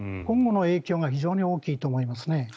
今後の影響が非常に大きいと思います。